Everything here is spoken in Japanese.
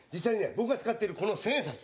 僕が使っているこの千円札。